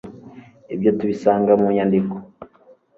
ibyo tubisanga mu nyandiko